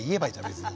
別に。